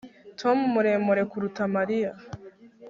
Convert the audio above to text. Tom muremure kuruta Mariya